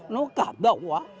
nó cảm động quá